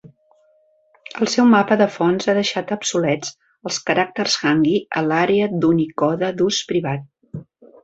El seu mapa de fonts ha deixat obsolets els caràcters Hangui a l"Àrea d"Unicode d"Ús Privat